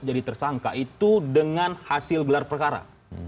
jadi tersangka itu dengan hasil gelar perkara